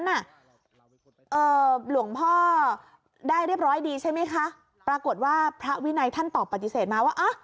หลวงพ่อได้เรียบร้อยดีใช่ไหมคะปรากฏว่าพระวินัยท่านตอบปฏิเสธมาว่า